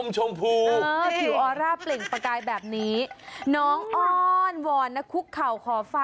ใช่ค่ะ